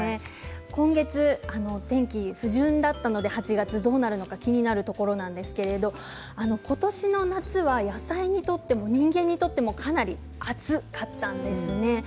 今月、天気が不順だったので８月、気になるところですけど今年の夏は野菜にとっても人間にとってもかなり暑かったんです。